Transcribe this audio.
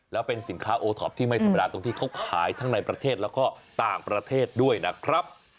แล้วเป็นสินค้าโอท็อปที่ไม่ธรรมดาตรงที่เขาขายทั้งในประเทศแล้วก็ต่างประเทศด้วยนะครับ